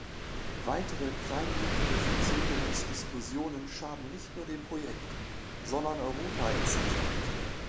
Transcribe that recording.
Weitere kleinmütige Verzögerungsdiskussionen schaden nicht nur dem Projekt, sondern Europa insgesamt.